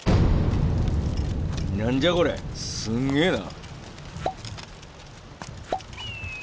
何じゃこれすげえな！